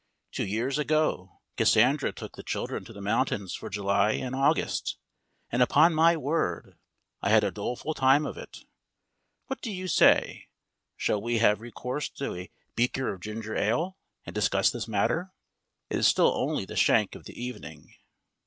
Two years ago Cassandra took the children to the mountains for July and August; and upon my word I had a doleful time of it. What do you say, shall we have recourse to a beaker of ginger ale and discuss this matter? It is still only the shank of the evening.